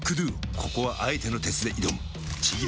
ここはあえての鉄で挑むちぎり